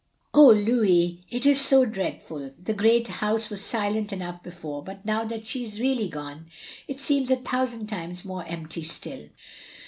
"OA, Louis, it is so dreadful. The great house was silent enough before, but now that she is really gone, it seems a thousand times more empty still.